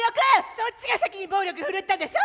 そっちが先に暴力振るったんでしょ。